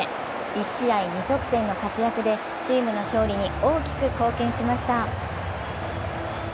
１試合２得点の活躍でチームの勝利に大きく貢献しました。